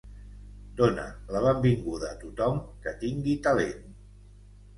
Dona la benvinguda a tothom que tingui talent.